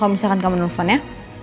kalau misalkan kamu menelpon ya